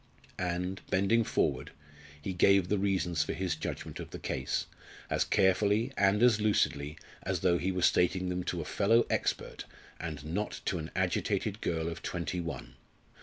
And, bending forward, he gave the reasons for his judgment of the case as carefully and as lucidly as though he were stating them to a fellow expert, and not to an agitated girl of twenty one.